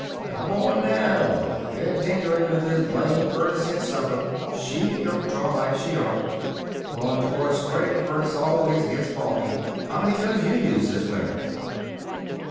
"Come on down! Been tinkering with this blamed furnace since supper. She don't draw like she ought. 'Long toward spring a furnace always gets balky. How many tons you used this winter?"